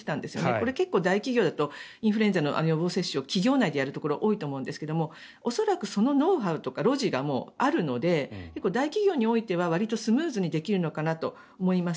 これ、結構、大企業だとインフルエンザの予防接種を企業内でやるところは多いと思うんですが恐らく、そのノウハウとかロジがもうあるので大企業においてはわりとスムーズにできるのかなと思います。